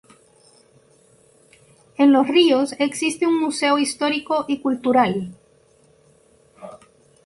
En Los Ríos existe un museo histórico y cultural.